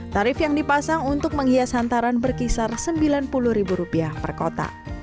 tarif yang dipasang untuk menghias hantaran berkisar rp sembilan puluh per kota